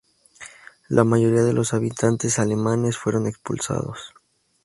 La mayoría de los habitantes alemanes fueron expulsados.